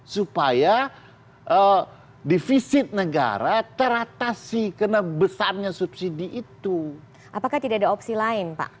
supaya defisit negara teratasi karena besarnya subsidi itu apakah tidak ada opsi lain pak